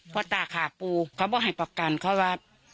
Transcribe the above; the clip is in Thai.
เพราะตากบอกให้ประกันเขาว่า